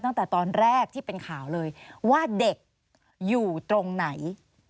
ตั้งแต่ตอนแรกที่เป็นข่าวเลยว่าเด็กอยู่ตรงไหน